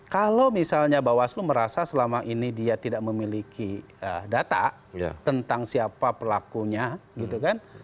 kalau misalnya bawaslu merasa selama ini dia tidak memiliki data tentang siapa pelakunya gitu kan